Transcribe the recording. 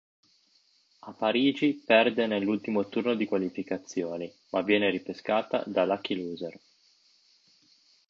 A Parigi perde nell'ultimo turno di qualificazioni ma viene ripescata da lucky loser.